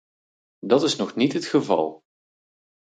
Dat is nog niet het geval.